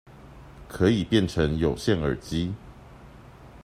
可以變成有線耳機